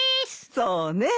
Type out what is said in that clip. そうね。